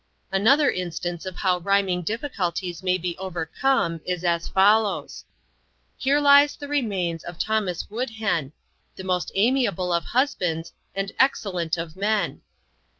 Another instance of how rhyming difficulties may be overcome is as follows: "Here lies the remains of Thomas Woodhen, The most amiable of husbands and excellent of men.